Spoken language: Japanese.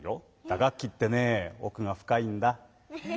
打楽器ってねおくがふかいんだ。